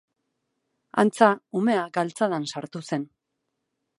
Antza, umea galtzadan sartu zen.